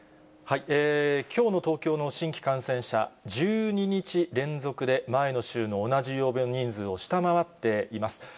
きょうの東京の新規感染者、１２日連続で前の週の同じ曜日の人数を下回っています。